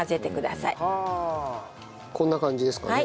こんな感じですかね？